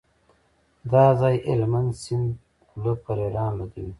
دا ځای هلمند سیند خوله پر ایران لګوي.